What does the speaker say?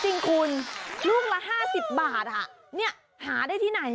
จริงคุณลูกละ๕๐บาทหาได้ที่ไหน